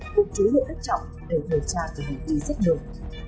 cùng chú liệu thất trọng để hồi tra tùy hành tùy rất nổi